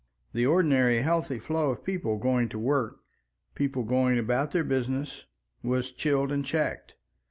The ordinary healthy flow of people going to work, people going about their business, was chilled and checked.